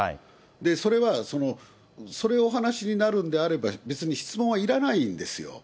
それは、それをお話になるんであれば、別に質問はいらないんですよ。